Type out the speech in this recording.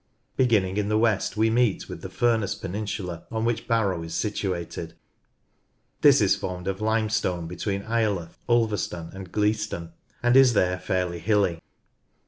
Beginning in the west we meet with the Furness peninsula on which Barrow is situated. This is formed of limestone between Ireleth, Ulvcrston, and Gleaston, and is there fairly hilly.